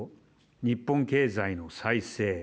日本経済の再生